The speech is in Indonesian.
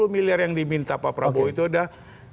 empat puluh miliar yang diminta pak prabowo itu udah